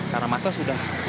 karena masa sudah berhenti